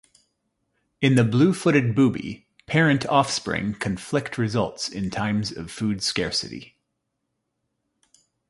In the blue-footed booby, parent-offspring conflict results in times of food scarcity.